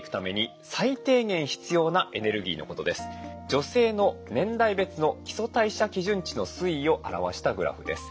女性の年代別の基礎代謝基準値の推移を表したグラフです。